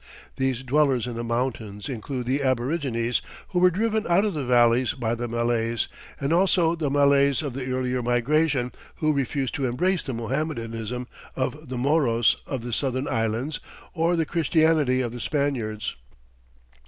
These dwellers in the mountains include the aborigines who were driven out of the valleys by the Malays, and also the Malays of the earlier migration, who refused to embrace the Mohammedanism of the Moros of the southern islands or the Christianity of the Spaniards.